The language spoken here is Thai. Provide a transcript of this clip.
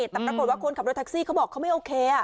แต่ปรากฏว่าคนขับรถแท็กซี่เขาบอกเขาไม่โอเค